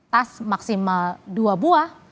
tas maksimal dua buah